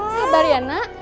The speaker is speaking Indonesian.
sabar ya nak